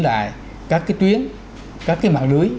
lại các cái tuyến các cái mạng lưới